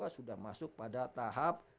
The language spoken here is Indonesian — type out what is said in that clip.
sudah masuk pada tahap